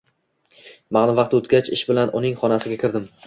Ma’lum vaqt o‘tgach, ish bilan uning xonasiga kirdim.